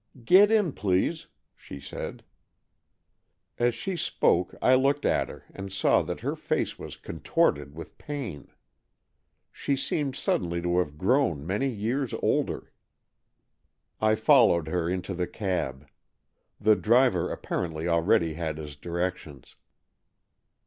" Get in, please," she said. As she spoke, I looked at her, and saw that her face was contorted with pain. She seemed suddenly to have grown many years older. I followed her into the cab. The driver apparently already had his directions.